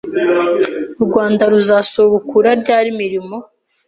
U Rwanda ruzasubukura ryari imirimo